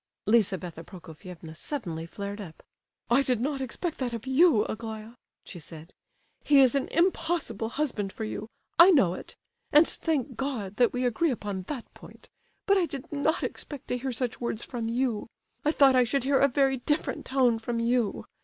Lizabetha Prokofievna suddenly flared up. "I did not expect that of you, Aglaya," she said. "He is an impossible husband for you,—I know it; and thank God that we agree upon that point; but I did not expect to hear such words from you. I thought I should hear a very different tone from you.